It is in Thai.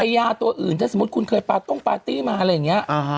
ยาตัวอื่นถ้าสมมุติคุณเคยปาต้งปาร์ตี้มาอะไรอย่างนี้